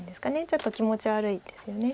ちょっと気持ち悪いですよね。